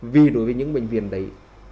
vì đối với những bệnh viện đấy